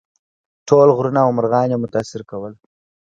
ټول غرونه او مرغان یې متاثر کول.